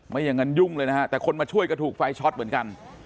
ไม่อย่างนั้นยุ่งเลยนะฮะแต่คนมาช่วยก็ถูกไฟช็อตเหมือนกัน